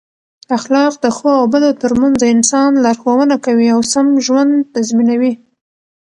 اخلاق د ښو او بدو ترمنځ د انسان لارښوونه کوي او سم ژوند تضمینوي.